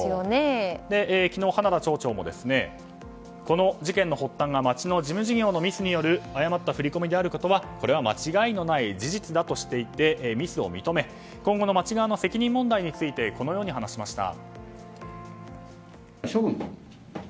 昨日、花田町長もこの事件の発端が町の事務事業のミスによる誤った振り込みであることは間違いのない事実だとしてミスを認め今後の町側の責任問題についてこのように話しました。